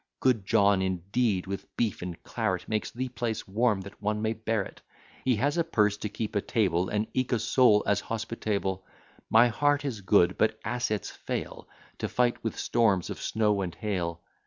Good John indeed, with beef and claret, Makes the place warm, that one may bear it. He has a purse to keep a table, And eke a soul as hospitable. My heart is good; but assets fail, To fight with storms of snow and hail.